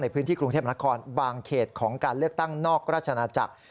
พื้นที่กรุงเทพนครบางเขตของการเลือกตั้งนอกราชนาจักร